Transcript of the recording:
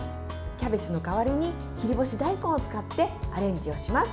キャベツの代わりに切り干し大根を使ってアレンジをします。